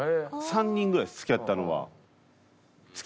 ３人ぐらいです付き合ったのは。